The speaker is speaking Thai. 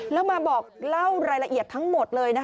แล้วมาบอกเล่ารายละเอียดทั้งหมดเลย